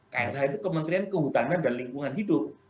klh itu kementerian kehutanan dan lingkungan hidup